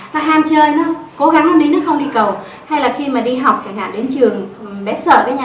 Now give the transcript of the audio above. tham chơi nó cố gắng nó nín nước không đi cầu hay là khi mà đi học chẳng hạn đến trường bé sợ cái nhà